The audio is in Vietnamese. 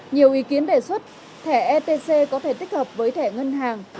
nhiều ý kiến đề xuất thẻ etc có thể tích hợp với thẻ ngân hàng